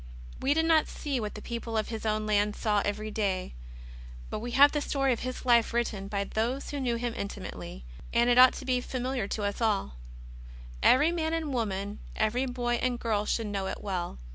We did not see what the people of His own land saw every day; but we have the story of His Life written by those who knew Him intimately, and it ought to be familiar to us alL Every man and woman, every boy and girl should know it well.